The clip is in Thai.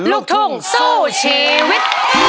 ลูกทุ่งสู้ชีวิต